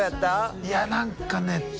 いや何かね